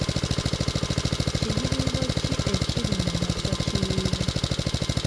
Kiyiriro ki ekiri ku mugga kiyira?